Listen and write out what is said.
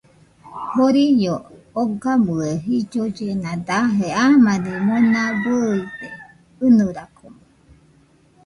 Boriño ogamɨe jillollena daje amani mona bɨide, ɨnɨrakomo